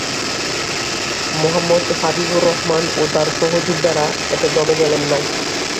মোহাম্মদ হাবিবুর রহমান ও তার সহযোদ্ধারা এতে দমে গেলেন না।